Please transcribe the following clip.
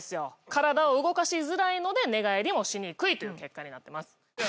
体を動かしづらいので寝返りもしにくいという結果になってます